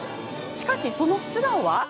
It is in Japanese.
しかし、その素顔は？